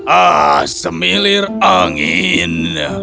ah semilir angin